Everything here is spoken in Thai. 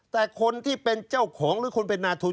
แต่คนที่เป็นเจ้าของหรือคนเป็นนาทุน